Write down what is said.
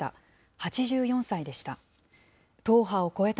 ８４歳でした。